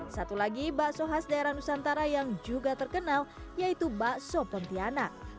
satu lagi bakso khas daerah nusantara yang juga terkenal yaitu bakso pontianak